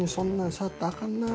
触ったらあかんな。